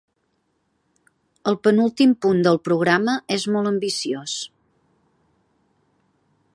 El penúltim punt del programa és molt ambiciós.